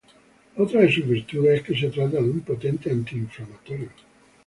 Otra de sus virtudes es que se trata de un potente antiinflamatorio.